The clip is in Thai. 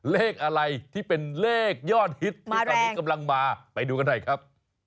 เลขอะไรที่เป็นเลขยอดฮิตที่ตอนนี้กำลังมาไปดูกันหน่อยครับ